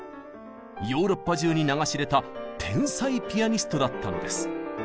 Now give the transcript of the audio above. ヨーロッパ中に名が知れた天才ピアニストだったのです。